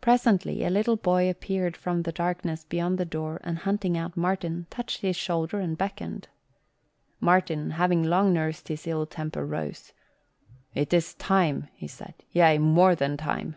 Presently a little boy appeared from the darkness beyond the door and hunting out Martin, touched his shoulder and beckoned. Martin, having long nursed his ill temper, rose. "It is time," he said, "yea, more than time."